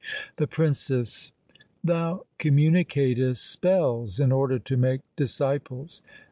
The Princess Thou communicatest spells in order to make disciples.